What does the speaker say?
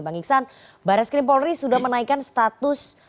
bang ingsan barres krim polri sudah menaikkan status